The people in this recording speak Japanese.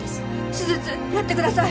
手術やってください！